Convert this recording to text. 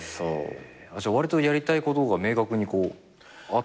じゃあわりとやりたいことが明確にあった？